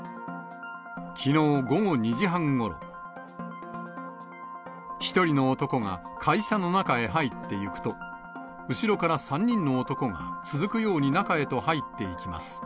きのう午後２時半ごろ、１人の男が会社の中へ入っていくと、後ろから３人の男が続くように中へと入っていきます。